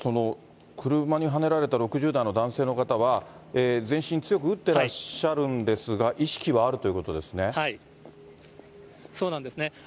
車にはねられた６０代の男性の方は、全身強く打ってらっしゃるんですが、意識はあるということですね。